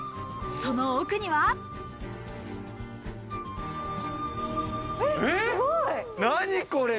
その奥にはえっすごい！